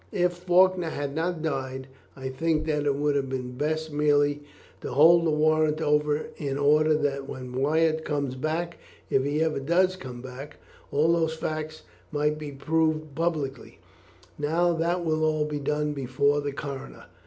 If Faulkner had not died I think that it would have been best merely to hold the warrant over in order that when Wyatt comes back, if he ever does come back, all these facts might be proved publicly; now that will all be done before the coroner."